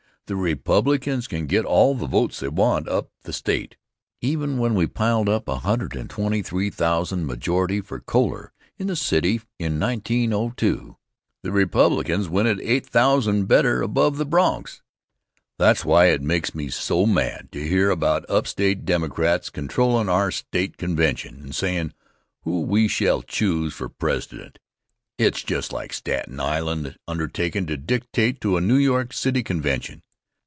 The Republicans can get all the votes they want up the State. Even when we piled up 123,000 majority for Coler in the city In 1902, the Republicans went it 8000 better above the Bronx. That's why it makes me mad to hear about upstate Democrats controllin' our State convention, and sayin' who we shall choose for President. It's just like Staten Island undertakin' to dictate to a New York City convention.